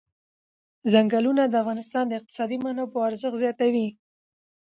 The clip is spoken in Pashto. چنګلونه د افغانستان د اقتصادي منابعو ارزښت زیاتوي.